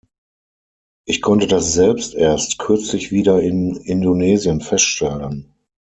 Ich konnte das selbst erst kürzlich wieder in Indonesien feststellen.